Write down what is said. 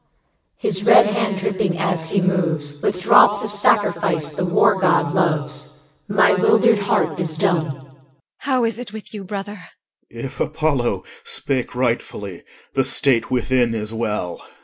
His red hand dripping as he moves With drops of sacrifice the War god loves. My 'wildered heart is dumb. EL. How is it with you, brother? OR. If Apollo Spake rightfully, the state within is well. EL.